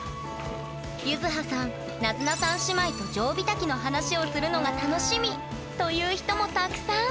ゆずはさんなづなさん姉妹とジョウビタキの話をするのが楽しみ！という人もたくさん！